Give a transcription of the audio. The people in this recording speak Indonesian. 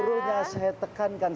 seluruhnya saya tekankan